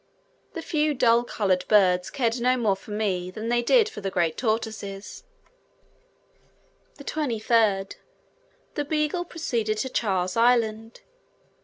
The few dull coloured birds cared no more for me than they did for the great tortoises. 23rd. The Beagle proceeded to Charles Island.